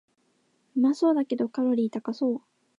うまそうだけどカロリー高そう